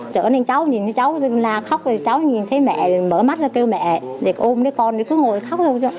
cháu nhìn thấy mẹ mở mắt ra kêu mẹ ôm con cứ ngồi khóc thôi